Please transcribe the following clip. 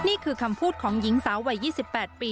นี่คือคำพูดของหญิงสาววัย๒๘ปี